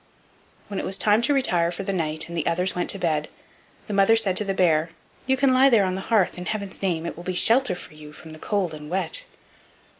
When it was time to retire for the night, and the others went to bed, the mother said to the bear: "You can lie there on the hearth, in heaven's name; it will be shelter for you from the cold and wet."